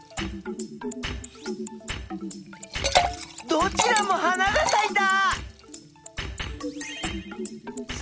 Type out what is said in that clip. どちらも花がさいた！